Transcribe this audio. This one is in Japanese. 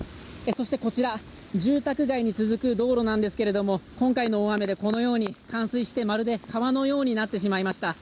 そしてこちら、住宅街に続く道路なんですけれども今回の大雨でこのように冠水してまるで川のようになってしまいました。